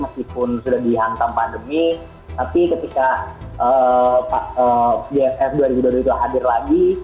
sudah dihantam pandemi tapi ketika jff dua ribu dua puluh dua itu hadir lagi